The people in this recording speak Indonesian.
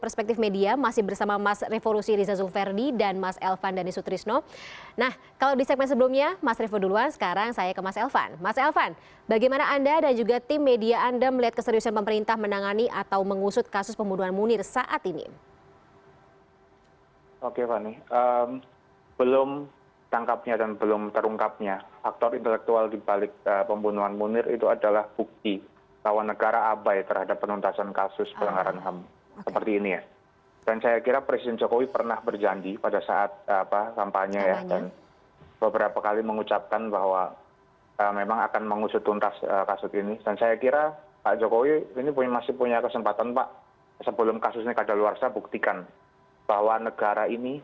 sebelum kasus ini keadaluarsa buktikan bahwa negara ini